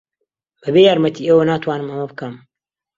بەبێ یارمەتیی ئێوە ناتوانم ئەمە بکەم.